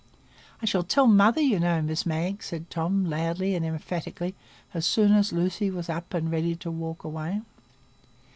"I shall tell mother, you know, Miss Mag," said Tom, loudly and emphatically, as soon as Lucy was up and ready to walk away.